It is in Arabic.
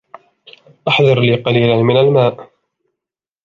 أحضر لي قليلا من الماء.